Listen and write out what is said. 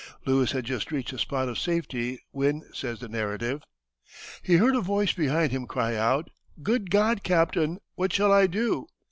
Lewis had just reached a spot of safety when, says the narrative, "He heard a voice behind him cry out, 'Good God, Captain, what shall I do?'